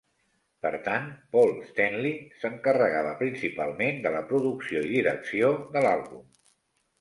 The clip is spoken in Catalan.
Per tant, Paul Stanley s'encarregava principalment de la producció i direcció de l'àlbum.